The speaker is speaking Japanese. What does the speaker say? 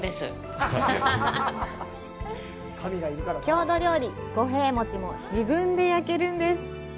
郷土料理、五平餅も自分で焼けるんです。